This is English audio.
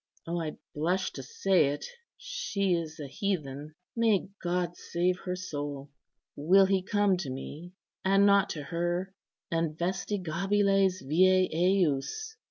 O, I blush to say it; she is a heathen! May God save her soul! Will He come to me, and not to her? 'Investigabiles viæ ejus.